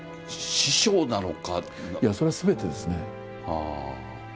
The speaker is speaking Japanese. いや、それはすべてですね。